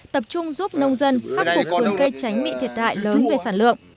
tập trung giúp nông dân khắc phục vườn cây tránh bị thiệt hại lớn về sản lượng